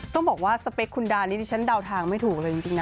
ต้องบอกว่าสเปคคุณดานี่ดิฉันเดาทางไม่ถูกเลยจริงนะ